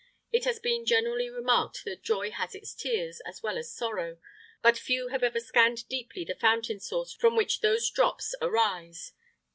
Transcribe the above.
It has been very generally remarked that joy has its tears as well as sorrow; but few have ever scanned deeply the fountain source from which those drops arise.